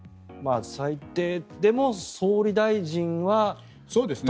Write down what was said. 最低でも総理大臣はとか。